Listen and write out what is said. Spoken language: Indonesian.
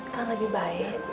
kan lebih baik